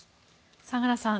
相良さん